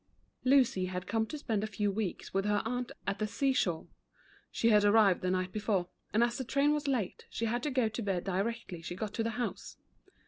LUCY had come to spend a few weeks with her aunt at the seashore. She had ar rived the night before, and as the train was late, she had to go to bed directly she got to the house.